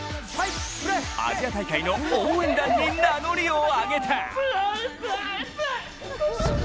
アジア大会の応援団に名乗りを上げた。